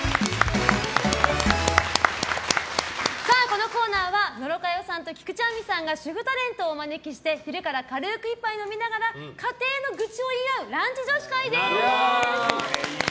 このコーナーは野呂佳代さんと菊地亜美さんが主婦タレントをお招きして昼から軽く１杯飲みながら家庭の愚痴を言い合うランチ女子会です。